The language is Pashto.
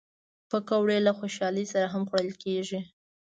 پکورې له خوشحالۍ سره هم خوړل کېږي